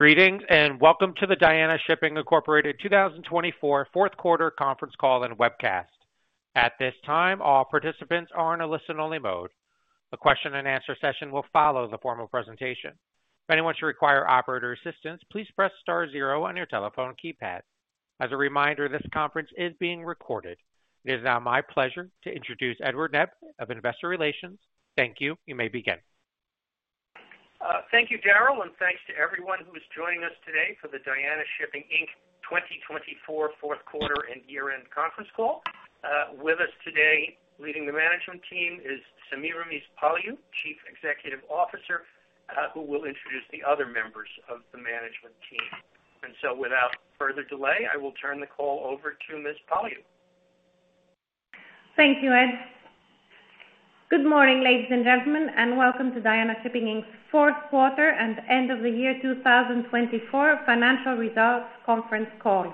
Greetings and welcome to the Diana Shipping 2024 fourth quarter conference Call and webcast. At this time, all participants are in a listen-only mode. The question-and-answer session will follow the formal presentation. If anyone should require operator assistance, please press star zero on your telephone keypad. As a reminder, this conference is being recorded. It is now my pleasure to introduce Edward Nebb of Investor Relations. Thank you. You may begin. Thank you, Daryl, and thanks to everyone who is joining us today for the Diana Shipping 2024 fourth quarter and year-end conference call. With us today, leading the management team, is Semiramis Paliou, Chief Executive Officer, who will introduce the other members of the management team. Without further delay, I will turn the call over to Ms. Paliou. Thank you, Ed. Good morning, ladies and gentlemen, and welcome to Diana Shipping's fourth quarter and end of the year 2024 financial results conference Call.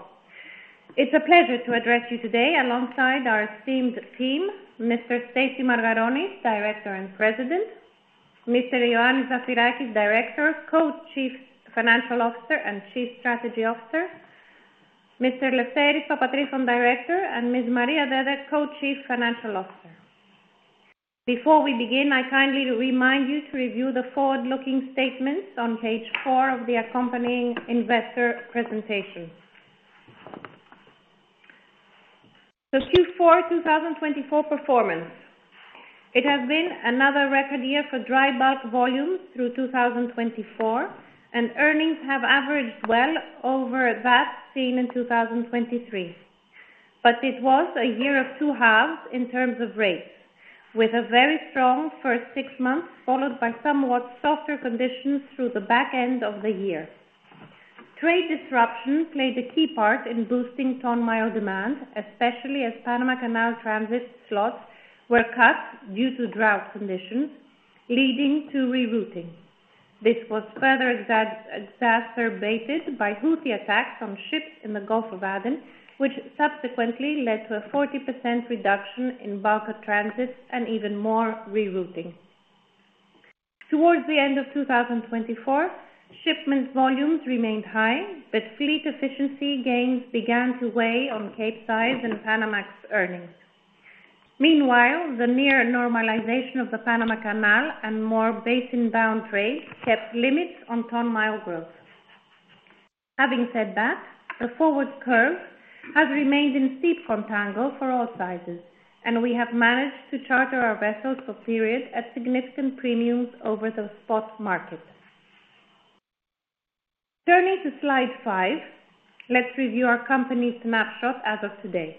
It's a pleasure to address you today alongside our esteemed team, Mr. Anastasios C. Margaronis, Director and President; Mr. Ioannis Zafirakis, Director, Co-Chief Financial Officer and Chief Strategy Officer; Mr. Lefteris papatrifon, Director; and Ms. Maria Dede, Co-Chief Financial Officer. Before we begin, I kindly remind you to review the forward-looking statements on page four of the accompanying investor presentation. The Q4 2024 performance: it has been another record year for dry bulk volume through 2024, and earnings have averaged well over that seen in 2023. It was a year of two halves in terms of rates, with a very strong first six months followed by somewhat softer conditions through the back end of the year. Trade disruption played a key part in boosting ton-mile demand, especially as Panama Canal transit slots were cut due to drought conditions, leading to rerouting. This was further exacerbated by Houthi attacks on ships in the Gulf of Aden, which subsequently led to a 40% reduction in bulk transit and even more rerouting. Towards the end of 2024, shipment volumes remained high, but fleet efficiency gains began to weigh on Capesize and Panamax earnings. Meanwhile, the near-normalization of the Panama Canal and more basin-bound trade kept limits on ton-mile growth. Having said that, the forward curve has remained in steep contango for all sizes, and we have managed to charter our vessels for a period at significant premiums over the spot market. Turning to slide five, let's review our company snapshot as of today.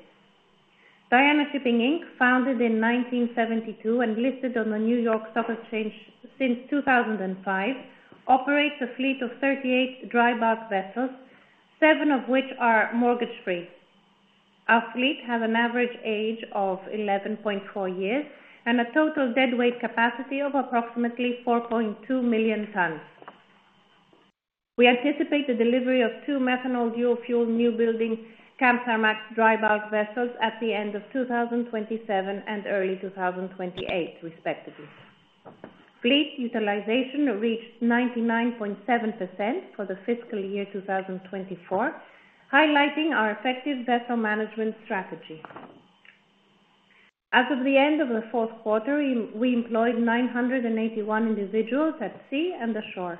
Diana Shipping, founded in 1972 and listed on the New York Stock Exchange since 2005, operates a fleet of 38 dry bulk vessels, seven of which are mortgage-free. Our fleet has an average age of 11.4 years and a total dead weight capacity of approximately 4.2 million tons. We anticipate the delivery of two methanol dual-fuel new-building Kamsarmax dry bulk vessels at the end of 2027 and early 2028, respectively. Fleet utilization reached 99.7% for the fiscal year 2024, highlighting our effective vessel management strategy. As of the end of the fourth quarter, we employed 981 individuals at sea and ashore.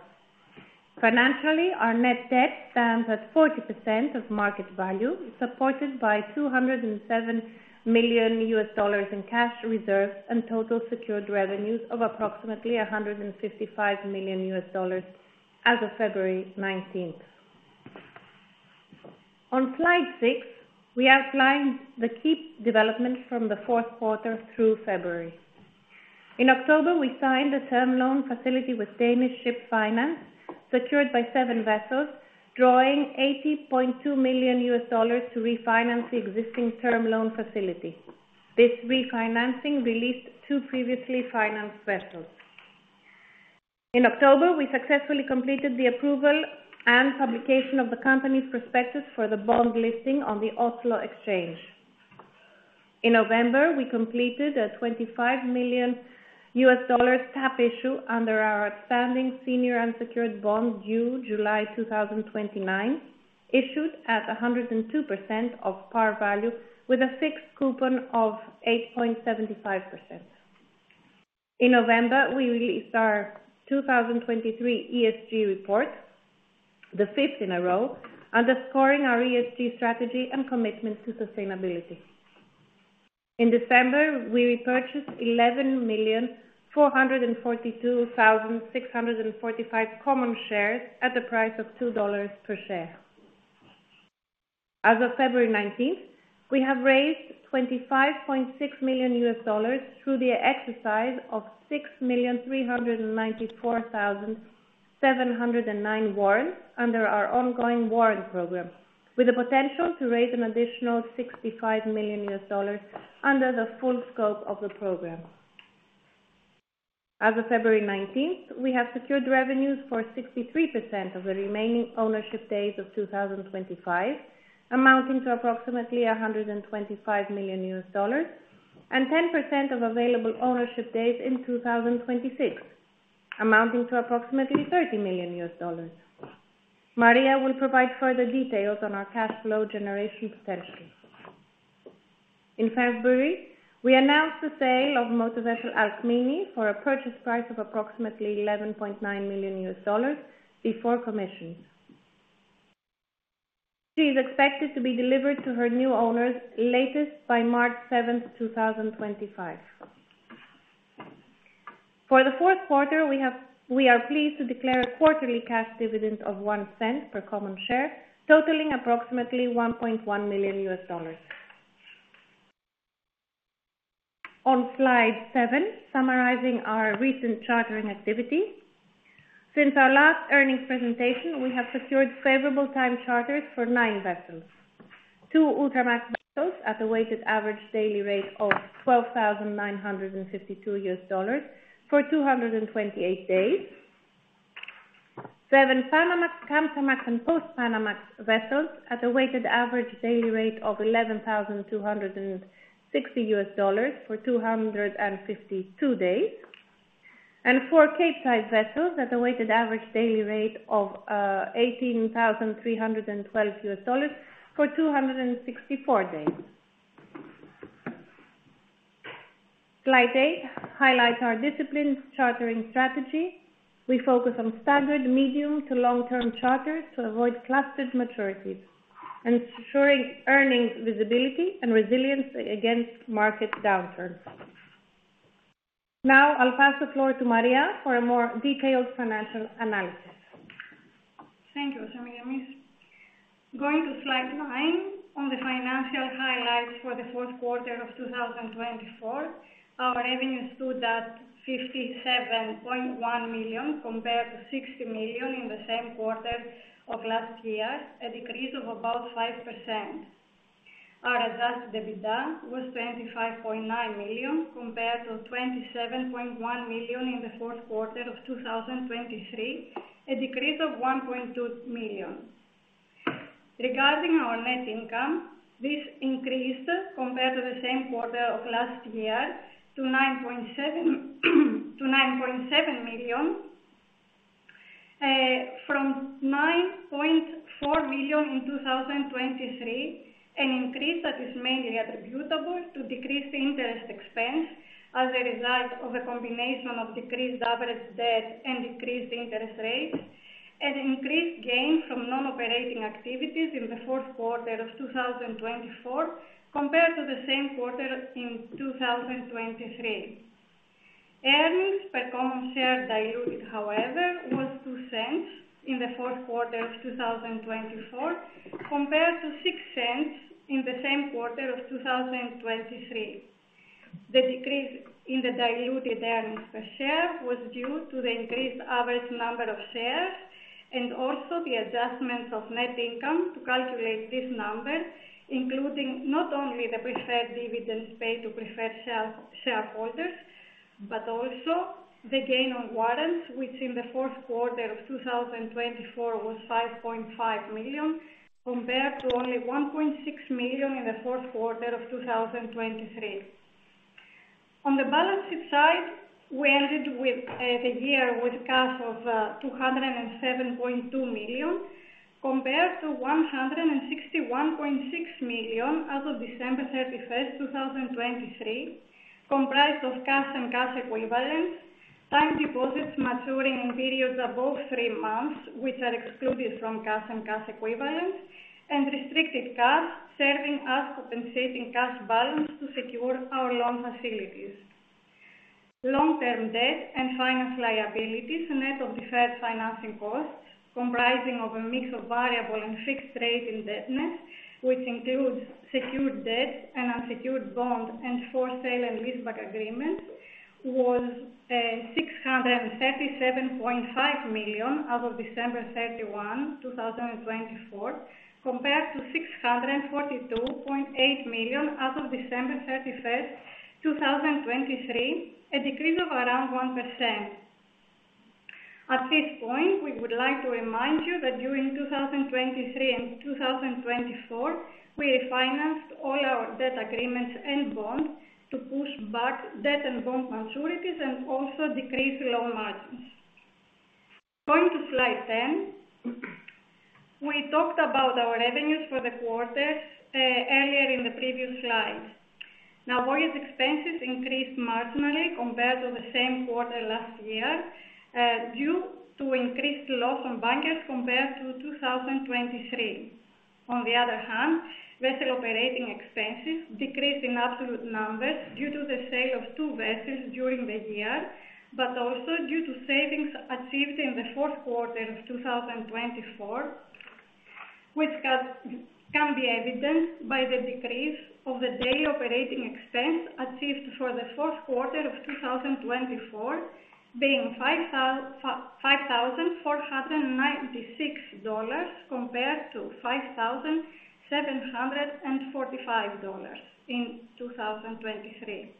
Financially, our net debt stands at 40% of market value, supported by $207 million in cash reserves and total secured revenues of approximately $155 million as of February 19th. On slide six, we outline the key developments from the fourth quarter through February. In October, we signed a term loan facility with Danish Ship Finance, secured by seven vessels, drawing $80.2 million to refinance the existing term loan facility. This refinancing released two previously financed vessels. In October, we successfully completed the approval and publication of the company's prospectus for the bond listing on the Oslo Exchange. In November, we completed a $25 million tap issue under our outstanding senior unsecured bond due July 2029, issued at 102% of par value with a fixed coupon of 8.75%. In November, we released our 2023 ESG report, the fifth in a row, underscoring our ESG strategy and commitment to sustainability. In December, we repurchased 11,442,645 common shares at the price of $2 per share. As of February 19th, we have raised $25.6 million through the exercise of 6,394,709 warrants under our ongoing warrant program, with the potential to raise an additional $65 million under the full scope of the program. As of February 19th, we have secured revenues for 63% of the remaining ownership days of 2025, amounting to approximately $125 million, and 10% of available ownership days in 2026, amounting to approximately $30 million. Maria will provide further details on our cash flow generation potential. In February, we announced the sale of Motorvessel Alkmeene for a purchase price of approximately $11.9 million before commissions. She is expected to be delivered to her new owners latest by March 7th, 2025. For the fourth quarter, we are pleased to declare a quarterly cash dividend of $0.01 per common share, totaling approximately $1.1 million. On slide seven, summarizing our recent chartering activity. Since our last earnings presentation, we have secured favorable time charters for nine vessels: two Ultramax vessels at a weighted average daily rate of $12,952 for 228 days, seven Panamax, Kamsarmax, and Post-Panamax vessels at a weighted average daily rate of $11,260 for 252 days, and four Capesize vessels at a weighted average daily rate of $18,312 for 264 days. Slide eight highlights our disciplined chartering strategy. We focus on standard, medium to long-term charters to avoid clustered maturities, ensuring earnings visibility and resilience against market downturns. Now, I'll pass the floor to Maria for a more detailed financial analysis. Thank you, Semiramis. Going to slide nine, on the financial highlights for the fourth quarter of 2024, our revenues stood at $57.1 million compared to $60 million in the same quarter of last year, a decrease of about 5%. Our Adjusted EBITDA was $25.9 million compared to $27.1 million in the fourth quarter of 2023, a decrease of $1.2 million. Regarding our net income, this increased compared to the same quarter of last year to $9.7 million from $9.4 million in 2023, an increase that is mainly attributable to decreased interest expense as a result of a combination of decreased average debt and decreased interest rates, and increased gain from non-operating activities in the fourth quarter of 2024 compared to the same quarter in 2023. Earnings per common share diluted, however, was $0.02 in the fourth quarter of 2024 compared to $0.06 in the same quarter of 2023. The decrease in the diluted earnings per share was due to the increased average number of shares and also the adjustment of net income to calculate this number, including not only the preferred dividends paid to preferred shareholders, but also the gain on warrants, which in the fourth quarter of 2024 was $5.5 million compared to only $1.6 million in the fourth quarter of 2023. On the balance sheet side, we ended the year with cash of $207.2 million compared to $161.6 million as of December 31st, 2023, comprised of cash and cash equivalents, time deposits maturing in periods above three months, which are excluded from cash and cash equivalents, and restricted cash serving as compensating cash balance to secure our loan facilities. Long-term debt and finance liabilities, net of deferred financing costs, comprising of a mix of variable and fixed rate indebtedness, which includes secured debt and unsecured bond and for sale and leaseback agreements, was $637.5 million as of December 31st, 2024, compared to $642.8 million as of December 31st, 2023, a decrease of around 1%. At this point, we would like to remind you that during 2023 and 2024, we refinanced all our debt agreements and bonds to push back debt and bond maturities and also decrease loan margins. Going to slide ten, we talked about our revenues for the quarters earlier in the previous slide. Now, voyage expenses increased marginally compared to the same quarter last year due to increased loss on bankers compared to 2023. On the other hand, vessel operating expenses decreased in absolute numbers due to the sale of two vessels during the year, but also due to savings achieved in the fourth quarter of 2024, which can be evidenced by the decrease of the daily operating expense achieved for the fourth quarter of 2024, being $5,496 compared to $5,745 in 2023.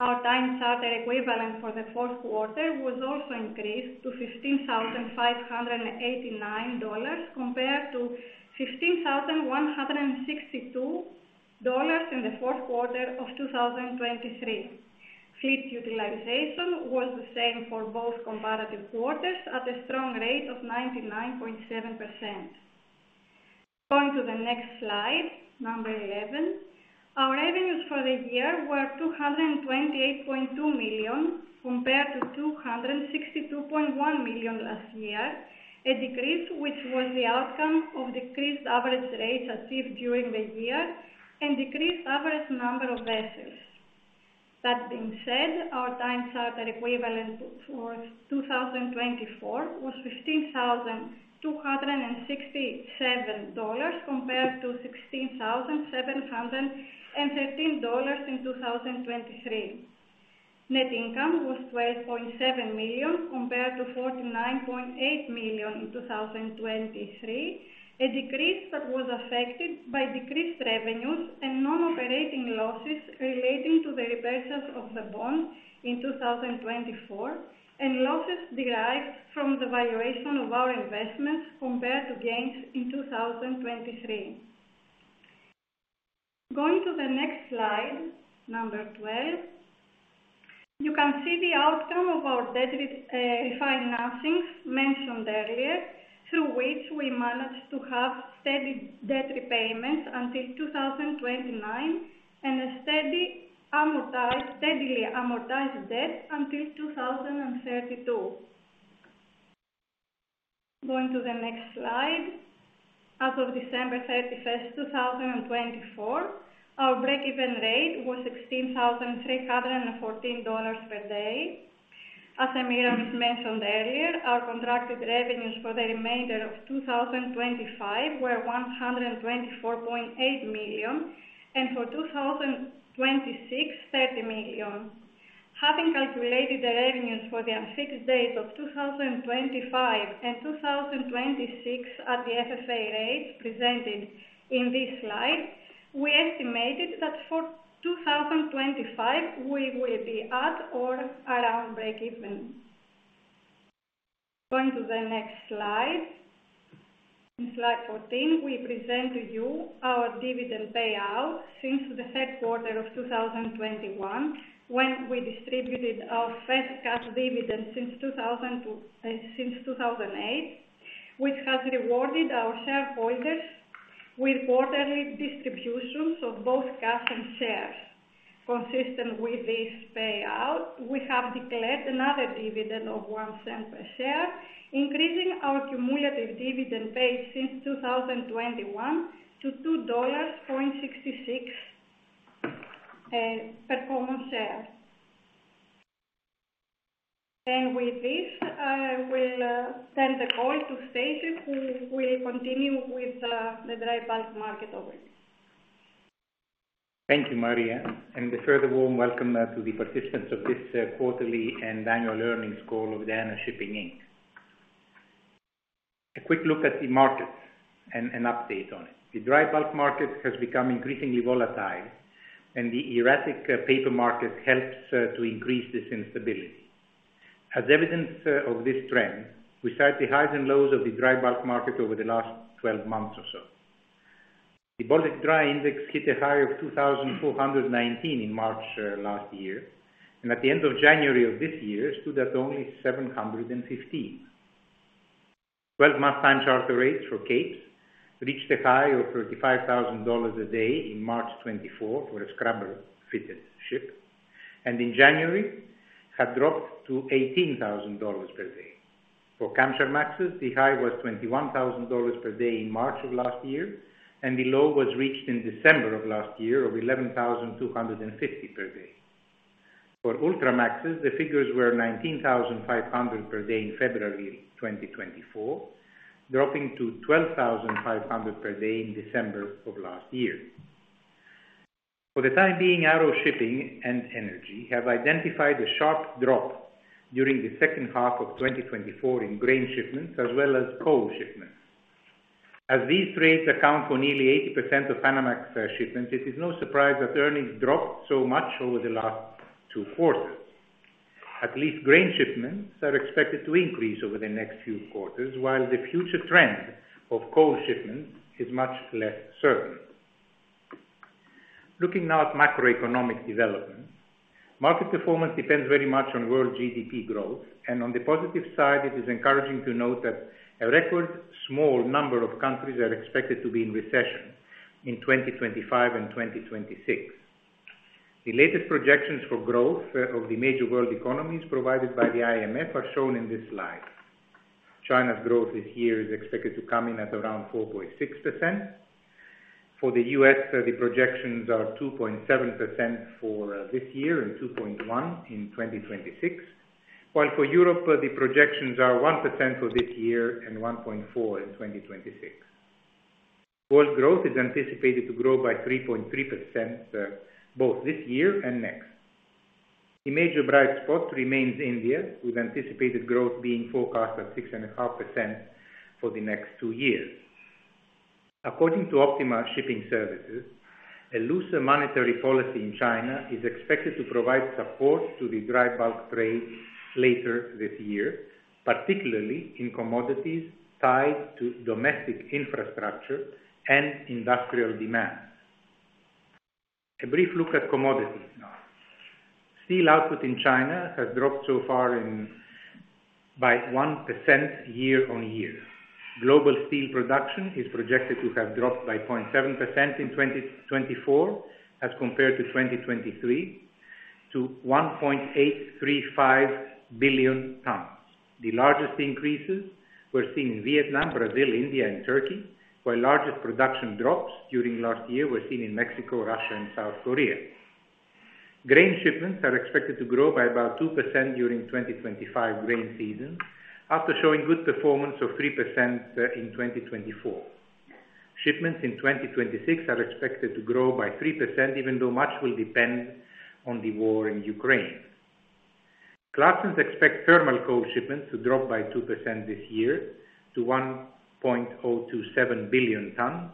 Our time charter equivalent for the fourth quarter was also increased to $15,589 compared to $15,162 in the fourth quarter of 2023. Fleet utilization was the same for both comparative quarters at a strong rate of 99.7%. Going to the next slide, number 11, our revenues for the year were $228.2 million compared to $262.1 million last year, a decrease which was the outcome of decreased average rates achieved during the year and decreased average number of vessels. That being said, our time charter equivalent for 2024 was $15,267 compared to $16,713 in 2023. Net income was $12.7 million compared to $49.8 million in 2023, a decrease that was affected by decreased revenues and non-operating losses relating to the repairs of the bond in 2024 and losses derived from the valuation of our investments compared to gains in 2023. Going to the next slide, number 12, you can see the outcome of our debt refinancings mentioned earlier, through which we managed to have steady debt repayments until 2029 and a steadily amortized debt until 2032. Going to the next slide, as of December 31, 2024, our break-even rate was $16,314 per day. As Semiramis mentioned earlier, our contracted revenues for the remainder of 2025 were $124.8 million and for 2026, $30 million. Having calculated the revenues for the unfixed days of 2025 and 2026 at the FFA rates presented in this slide, we estimated that for 2025 we will be at or around break-even. Going to the next slide. In slide 14, we present to you our dividend payout since the third quarter of 2021, when we distributed our first cash dividend since 2008, which has rewarded our shareholders with quarterly distributions of both cash and shares. Consistent with this payout, we have declared another dividend of 1 cent per share, increasing our cumulative dividend paid since 2021 to $2.66 per common share. With this, I will send the call to Anastasios, who will continue with the dry bulk market overview. Thank you, Maria, and a further warm welcome to the participants of this quarterly and annual earnings call of Diana Shipping. A quick look at the markets and an update on it. The dry bulk market has become increasingly volatile, and the erratic paper market helps to increase this instability. As evidence of this trend, we cite the highs and lows of the dry bulk market over the last 12 months or so. The Baltic Dry Index hit a high of 2,419 in March last year, and at the end of January of this year, stood at only 715. Twelve-month time charter rates for capes reached a high of $35,000 a day in March 2024 for a scrubber-fitted ship, and in January, had dropped to $18,000 per day. For Kamsarmaxes, the high was $21,000 per day in March of last year, and the low was reached in December of last year of $11,250 per day. For Ultramaxes, the figures were $19,500 per day in February 2024, dropping to $12,500 per day in December of last year. For the time being, Arrow Shipping and Energy have identified a sharp drop during the second half of 2024 in grain shipments as well as coal shipments. As these rates account for nearly 80% of Panamax shipments, it is no surprise that earnings dropped so much over the last two quarters. At least grain shipments are expected to increase over the next few quarters, while the future trend of coal shipments is much less certain. Looking now at macroeconomic development, market performance depends very much on world GDP growth, and on the positive side, it is encouraging to note that a record small number of countries are expected to be in recession in 2025 and 2026. The latest projections for growth of the major world economies provided by the IMF are shown in this slide. China's growth this year is expected to come in at around 4.6%. For the U.S., the projections are 2.7% for this year and 2.1% in 2026, while for Europe, the projections are 1% for this year and 1.4% in 2026. World growth is anticipated to grow by 3.3% both this year and next. The major bright spot remains India, with anticipated growth being forecast at 6.5% for the next two years. According to Optima Shipping Services, a looser monetary policy in China is expected to provide support to the dry bulk trade later this year, particularly in commodities tied to domestic infrastructure and industrial demand. A brief look at commodities now. Steel output in China has dropped so far by 1% year-on-year. Global steel production is projected to have dropped by 0.7% in 2024 as compared to 2023, to 1.835 billion tons. The largest increases were seen in Vietnam, Brazil, India, and Turkey, while largest production drops during last year were seen in Mexico, Russia, and South Korea. Grain shipments are expected to grow by about 2% during 2025 grain season, after showing good performance of 3% in 2024. Shipments in 2026 are expected to grow by 3%, even though much will depend on the war in Ukraine. Clarksons expect thermal coal shipments to drop by 2% this year to 1.027 billion tons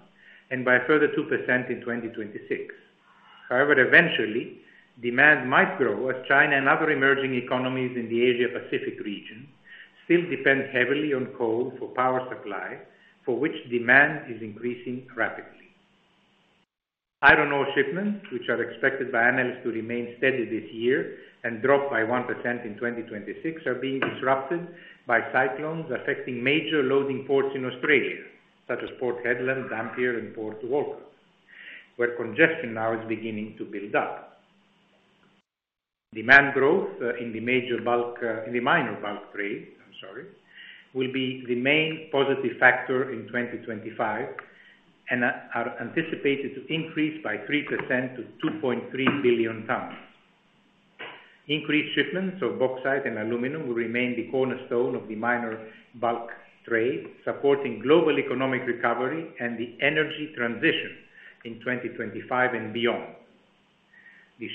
and by a further 2% in 2026. However, eventually, demand might grow as China and other emerging economies in the Asia-Pacific region still depend heavily on coal for power supply, for which demand is increasing rapidly. Iron ore shipments, which are expected by analysts to remain steady this year and drop by 1% in 2026, are being disrupted by cyclones affecting major loading ports in Australia, such as Port Hedland, Dampier, and Port Walker, where congestion now is beginning to build up. Demand growth in the minor bulk trade, I'm sorry, will be the main positive factor in 2025 and are anticipated to increase by 3% to 2.3 billion tons. Increased shipments of bauxite and aluminum will remain the cornerstone of the minor bulk trade, supporting global economic recovery and the energy transition in 2025 and beyond. The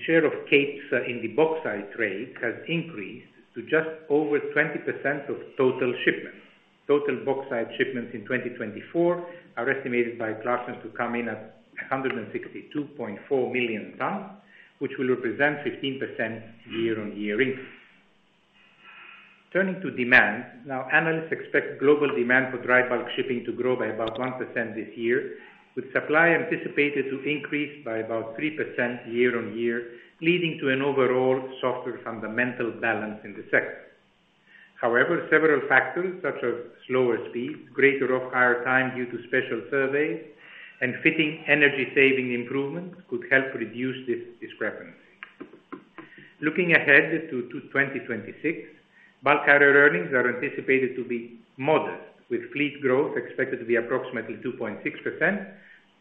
share of capes in the bauxite trade has increased to just over 20% of total shipments. Total bauxite shipments in 2024 are estimated by Clarksons to come in at 162.4 million tons, which will represent a 15% year-on-year increase. Turning to demand, now analysts expect global demand for dry bulk shipping to grow by about 1% this year, with supply anticipated to increase by about 3% year-on-year, leading to an overall softer fundamental balance in the sector. However, several factors, such as slower speeds, greater off-hire time due to special surveys, and fitting energy-saving improvements could help reduce this discrepancy. Looking ahead to 2026, bulk carrier earnings are anticipated to be modest, with fleet growth expected to be approximately 2.6%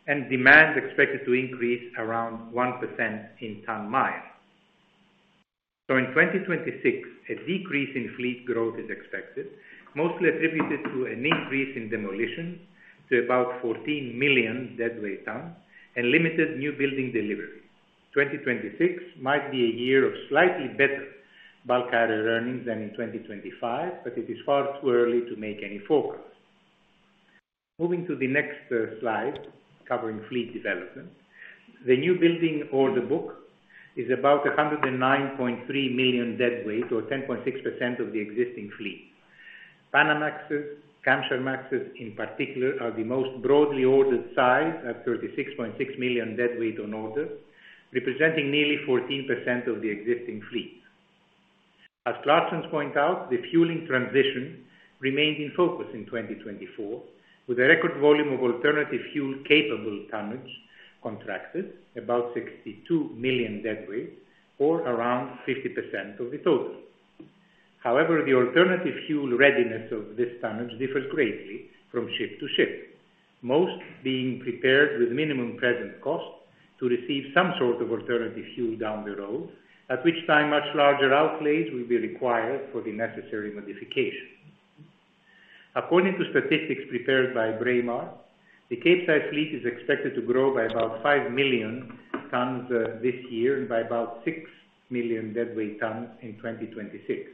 and demand expected to increase around 1% in ton miles. In 2026, a decrease in fleet growth is expected, mostly attributed to an increase in demolition to about 14 million deadweight tons and limited new building delivery. 2026 might be a year of slightly better bulk carrier earnings than in 2025, but it is far too early to make any forecast. Moving to the next slide covering fleet development, the new building order book is about 109.3 million deadweight, or 10.6% of the existing fleet. Panamaxes, Kamsarmaxes in particular, are the most broadly ordered size at 36.6 million deadweight on order, representing nearly 14% of the existing fleet. As Clarksons points out, the fueling transition remained in focus in 2024, with a record volume of alternative fuel-capable tonnage contracted, about 62 million deadweight, or around 50% of the total. However, the alternative fuel readiness of this tonnage differs greatly from ship to ship, most being prepared with minimum present cost to receive some sort of alternative fuel down the road, at which time much larger outlays will be required for the necessary modification. According to statistics prepared by Braemar, the capesize fleet is expected to grow by about 5 million tons this year and by about 6 million deadweight tons in 2026.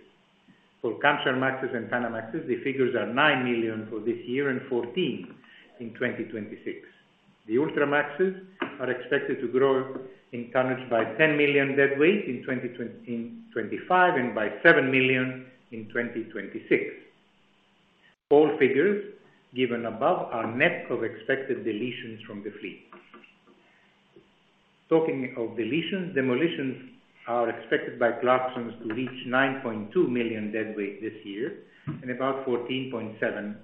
For Kamsarmaxes and Panamaxes, the figures are 9 million for this year and 14 in 2026. The Ultramaxes are expected to grow in tonnage by 10 million deadweight in 2025 and by 7 million in 2026. All figures given above are net of expected deletions from the fleet. Talking of deletions, demolitions are expected by Clarksons to reach 9.2 million deadweight this year and about 14.7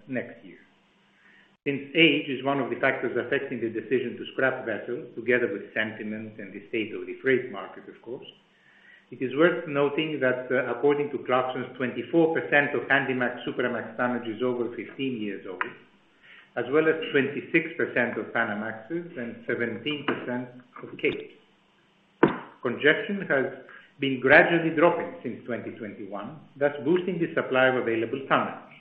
next year. Since age is one of the factors affecting the decision to scrap vessels, together with sentiment and the state of the freight market, of course, it is worth noting that according to Clarksons, 24% of handymax/Supramax tonnage is over 15 years old, as well as 26% of Panamaxes and 17% of capes. Congestion has been gradually dropping since 2021, thus boosting the supply of available tonnage.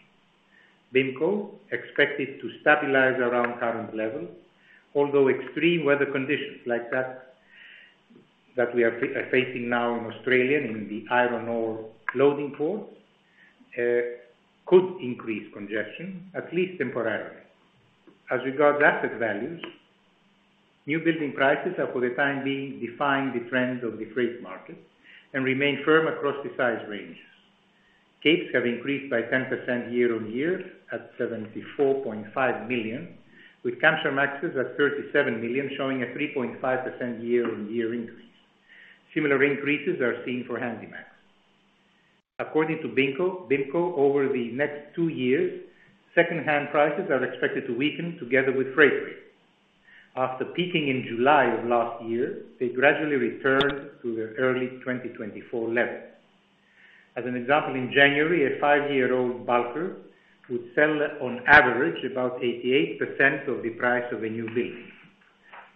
BIMCO is expected to stabilize around current levels, although extreme weather conditions like that that we are facing now in Australia and in the iron ore loading ports could increase congestion, at least temporarily. As regards asset values, new building prices are for the time being defying the trend of the freight market and remain firm across the size ranges. Capes have increased by 10% year-on-year at $74.5 million, with Kamsarmaxes at $37 million, showing a 3.5% year-on-year increase. Similar increases are seen for handymax. According to BIMCO, over the next two years, second-hand prices are expected to weaken together with freight rates. After peaking in July of last year, they gradually returned to the early 2024 levels. As an example, in January, a five-year-old bulker would sell on average about 88% of the price of a new building.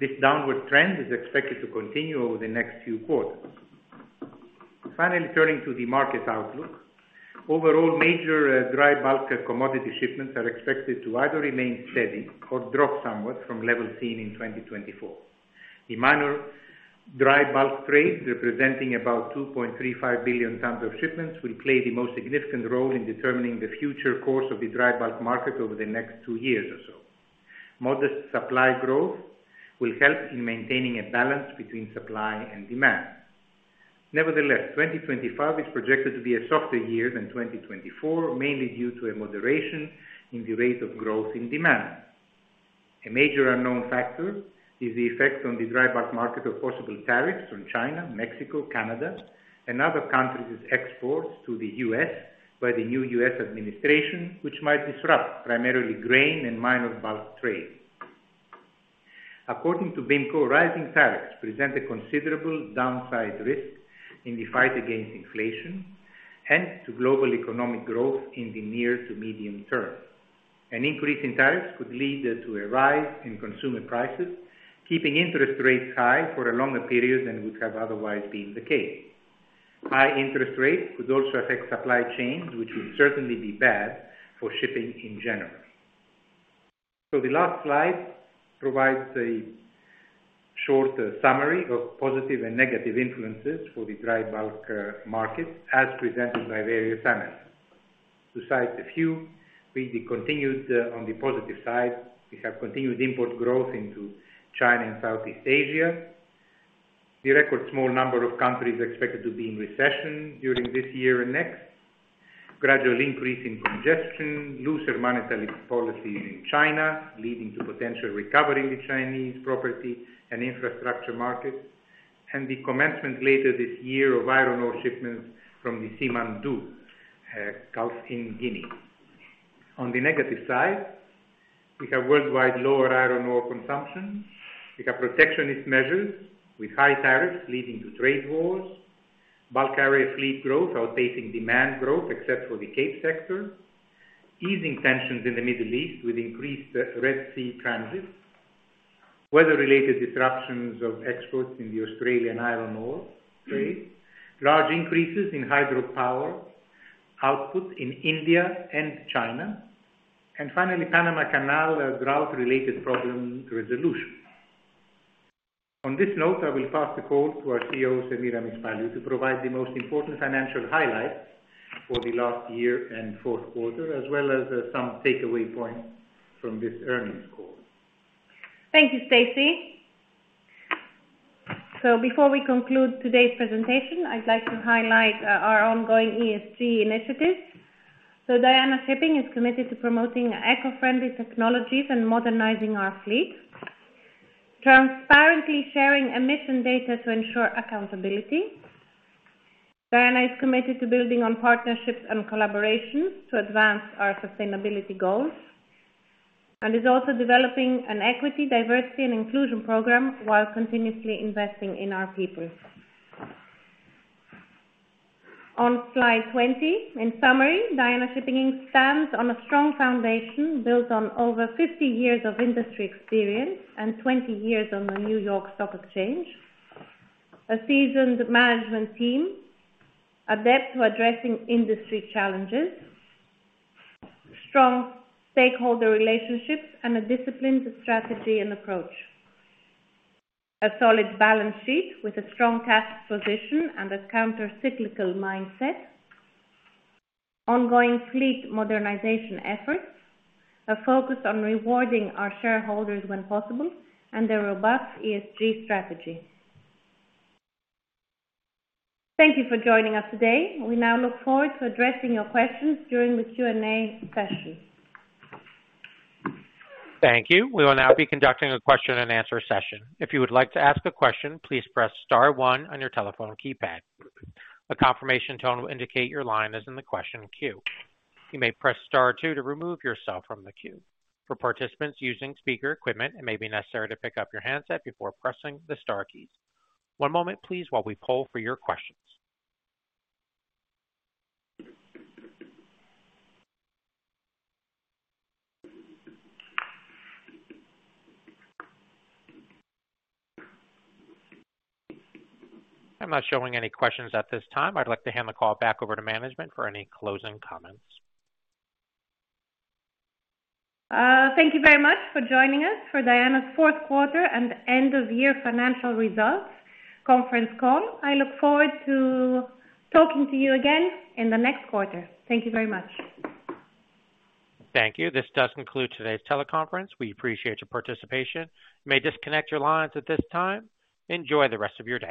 This downward trend is expected to continue over the next few quarters. Finally, turning to the market outlook, overall major dry bulk commodity shipments are expected to either remain steady or drop somewhat from levels seen in 2024. The minor dry bulk trade, representing about 2.35 billion tons of shipments, will play the most significant role in determining the future course of the dry bulk market over the next two years or so. Modest supply growth will help in maintaining a balance between supply and demand. Nevertheless, 2025 is projected to be a softer year than 2024, mainly due to a moderation in the rate of growth in demand. A major unknown factor is the effect on the dry bulk market of possible tariffs on China, Mexico, Canada, and other countries' exports to the U.S. by the new U.S. administration, which might disrupt primarily grain and minor bulk trade. According to BIMCO, rising tariffs present a considerable downside risk in the fight against inflation and to global economic growth in the near to medium term. An increase in tariffs could lead to a rise in consumer prices, keeping interest rates high for a longer period than would have otherwise been the case. High interest rates could also affect supply chains, which would certainly be bad for shipping in general. The last slide provides a short summary of positive and negative influences for the dry bulk market, as presented by various analysts. To cite a few, we continued on the positive side. We have continued import growth into China and Southeast Asia. The record small number of countries expected to be in recession during this year and next. Gradual increase in congestion, looser monetary policies in China, leading to potential recovery in the Chinese property and infrastructure market, and the commencement later this year of iron ore shipments from the Simandou, Gulf in Guinea. On the negative side, we have worldwide lower iron ore consumption. We have protectionist measures with high tariffs leading to trade wars. Bulk carrier fleet growth outpacing demand growth, except for the cape sector. Easing tensions in the Middle East with increased Red Sea transit. Weather-related disruptions of exports in the Australian iron ore trade. Large increases in hydropower output in India and China. Finally, Panama Canal drought-related problem resolution. On this note, I will pass the call to our CEO, Semiramis Paliou, to provide the most important financial highlights for the last year and fourth quarter, as well as some takeaway points from this earnings call. Thank you, Anastasios. Before we conclude today's presentation, I'd like to highlight our ongoing ESG initiatives. Diana Shipping is committed to promoting eco-friendly technologies and modernizing our fleet, transparently sharing emission data to ensure accountability. Diana is committed to building on partnerships and collaborations to advance our sustainability goals and is also developing an equity, diversity, and inclusion program while continuously investing in our people. On slide 20, in summary, Diana Shipping stands on a strong foundation built on over 50 years of industry experience and 20 years on the New York Stock Exchange, a seasoned management team, adept to addressing industry challenges, strong stakeholder relationships, and a disciplined strategy and approach, a solid balance sheet with a strong tax position and a countercyclical mindset, ongoing fleet modernization efforts, a focus on rewarding our shareholders when possible, and a robust ESG strategy. Thank you for joining us today. We now look forward to addressing your questions during the Q&A session. Thank you. We will now be conducting a question-and-answer session. If you would like to ask a question, please press star one on your telephone keypad. A confirmation tone will indicate your line is in the question queue. You may press star two to remove yourself from the queue. For participants using speaker equipment, it may be necessary to pick up your handset before pressing the star keys. One moment, please, while we poll for your questions. I'm not showing any questions at this time. I'd like to hand the call back over to management for any closing comments. Thank you very much for joining us for Diana's fourth quarter and end-of-year financial results conference call. I look forward to talking to you again in the next quarter. Thank you very much. Thank you. This does conclude today's teleconference. We appreciate your participation. You may disconnect your lines at this time. Enjoy the rest of your day.